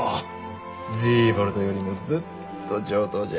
ズィーボルトよりもずっと上等じゃ。